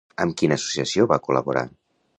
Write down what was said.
Amb quina associació va col·laborar?